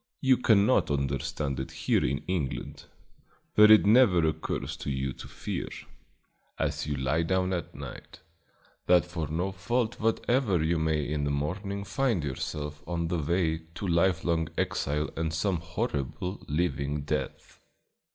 You cannot understand it here in England, where it never occurs to you to fear, as you lie down at night, that for no fault whatever you may in the morning find yourself on the way to lifelong exile and some horrible, living death.